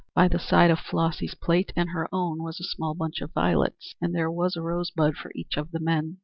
By the side of Flossy's plate and her own was a small bunch of violets, and there was a rosebud for each of the men.